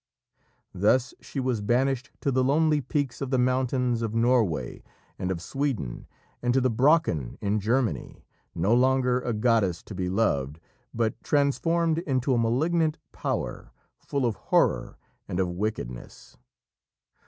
Thus she was banished to the lonely peaks of the mountains of Norway and of Sweden and to the Brocken in Germany, no longer a goddess to be loved, but transformed into a malignant power, full of horror and of wickedness.